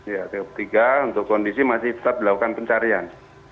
ya tiga puluh tiga untuk kondisi masih tetap dilakukan pencarian